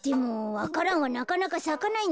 わか蘭はなかなかさかないんだよね